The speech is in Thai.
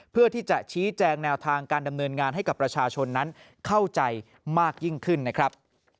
เพื่อที่จะชี้แจงแนวทางการดำเนินงานให้กับประชาชนนั้นเข้าใจมากยิ่งขึ้นนะครับ